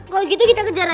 kalau gitu kita kejar aja